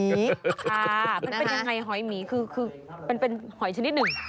มันเป็นยังไงหอยหมีคือมันเป็นหอยชนิดหนึ่ง